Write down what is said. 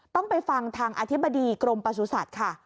ต้องไปฟังทางอธิบดีกรมประสุทธิ์ค่ะ